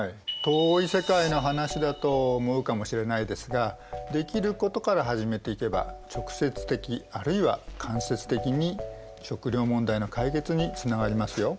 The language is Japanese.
遠い世界の話だと思うかもしれないですができることから始めていけば直接的あるいは間接的に食料問題の解決につながりますよ。